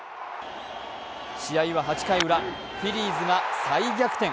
試合は８回ウラ、フィリーズが再逆転。